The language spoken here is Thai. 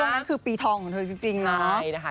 ช่วงนั้นคือปีทองของเธอจริงน้อง